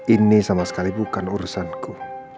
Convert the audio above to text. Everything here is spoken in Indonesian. ini sama sekali bukan urusanku